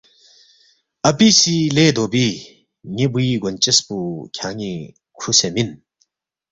اپی سی لے دھوبی ن٘ی بُوی گونچس پو کھیان٘ی کُھروسے مِن